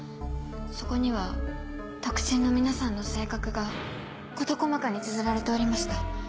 そこには特進の皆さんの性格が事細かにつづられておりました。